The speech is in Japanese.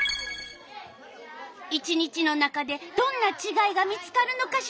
１日の中でどんなちがいが見つかるのかしら。